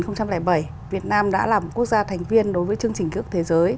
năm hai nghìn bảy việt nam đã là một quốc gia thành viên đối với chương trình cước thế giới